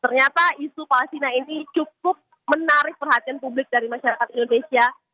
ternyata isu palestina ini cukup menarik perhatian publik dari masyarakat indonesia